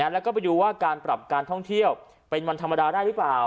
แล้วก็ไปดูว่าการปรับการท่องเที่ยวเป็นวันธรรมดาได้หรือเปล่า